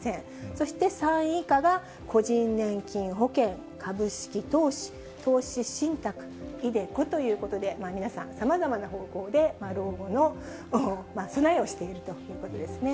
そして３位以下が、個人年金保険、株式投資、投資信託、ｉＤｅＣｏということで、皆さん、さまざまな方法で老後の備えをしているということですね。